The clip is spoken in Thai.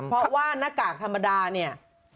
เพราะว่าหน้ากากธรรมดาเนี่ย